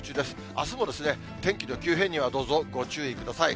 あすも天気の急変にはどうぞご注意ください。